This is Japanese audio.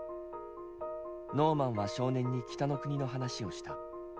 ノーマンは少年に北の国の話をした。